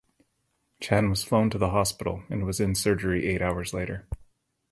Chan was flown to the hospital and was in surgery eight hours later.